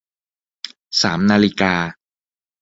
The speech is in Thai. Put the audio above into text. สามนาฬิกา